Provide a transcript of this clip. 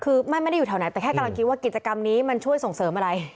คือไม่ได้อยู่แถวไหนแต่แค่กำลังคิดว่ากิจกรรมนี้มันช่วยส่งเสริมอะไร